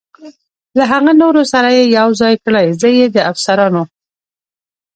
له هغه نورو سره یې یو ځای کړئ، زه یې د افسرانو.